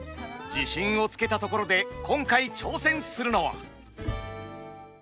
自信をつけたところで今回挑戦するのは！